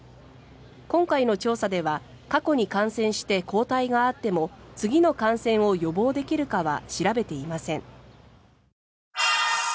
今回の調査では過去に感染して抗体があっても次の感染を予防できるかは調べていません。